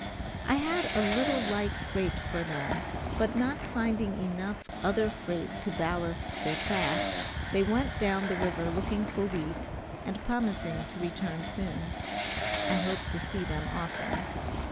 I had a little light freight for them; but not finding enough other freight to ballast their craft, they went down the river looking for wheat, and promising to return soon. I hope to see them often.